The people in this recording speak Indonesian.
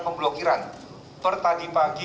pemblokiran per tadi pagi